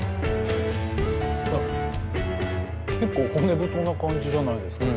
結構骨太な感じじゃないですか。